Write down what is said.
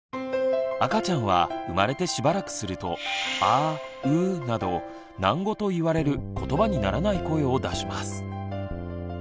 赤ちゃんは生まれてしばらくすると「あー」「うー」など喃語と言われることばにならない声を出します。